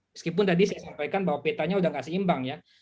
meskipun tadi saya sampaikan bahwa petanya sudah tidak seimbang ya